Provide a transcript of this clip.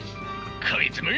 こいつめ！